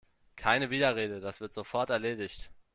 Keine Widerrede, das wird sofort erledigt!